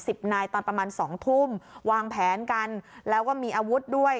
สิบนายตอนประมาณสองทุ่มวางแผนกันแล้วก็มีอาวุธด้วย